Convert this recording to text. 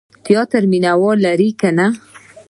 تیاتر مینه وال لري که نه؟